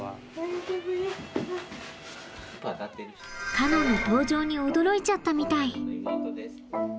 カノンの登場に驚いちゃったみたい。